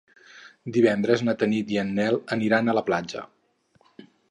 Divendres na Tanit i en Nel aniré a la platja.